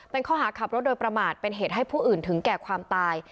เป็นข้อหาขับรถโดยประมาทเป็นเหตุให้ผู้อื่นถึงแก่ความตาย